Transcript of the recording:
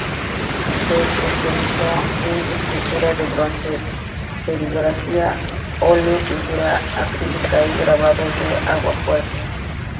Se especializó en esculturas de bronce, serigrafía, óleo, pintura acrílica y grabados de aguafuerte.